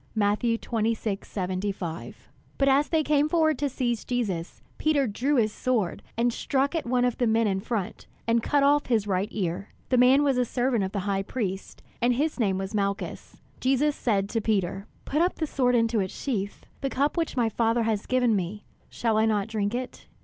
(Matt. 26:75.)] But as they came forward to seize Jesus, Peter drew his sword, and struck at one of the men in front, and cut off his right ear. The man was a servant of the high priest, and his name was Malchus. Jesus said to Peter: "Put up the sword into its sheath; the cup which my Father has given me, shall I not drink it?